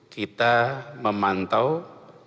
kita memantau kita bertiap